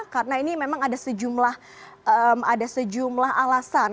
karena ini memang ada sejumlah alasan